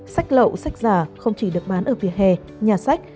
sách lậu sách giả không chỉ được bán ở vỉa hè nhà sách